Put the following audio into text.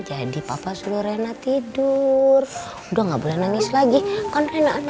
jadi papa suruh relnat tidur udah nggak boleh nangis lagi konten anak pintar dengan bob aja